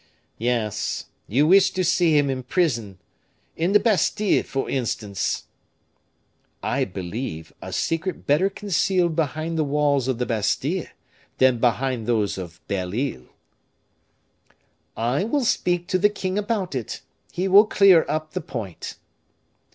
"Yes you wish to see him in prison, in the Bastile, for instance." "I believe a secret better concealed behind the walls of the Bastile than behind those of Belle Isle." "I will speak to the king about it; he will clear up the point."